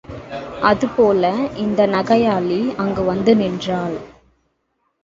அதுபோல இந்த நகையாளி அங்கு வந்து நின்றாள்.